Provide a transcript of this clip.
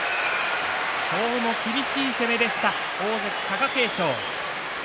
今日も厳しい攻めでした大関貴景勝。